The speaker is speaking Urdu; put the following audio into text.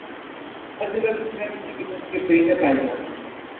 ہر جگہ کسی نہ کسی قسم کے پرندے پائے جاتے ہیں